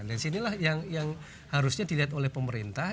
dan sinilah yang harusnya dilihat oleh pemerintah